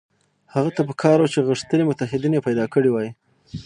هغه ته په کار وه چې غښتلي متحدین پیدا کړي وای.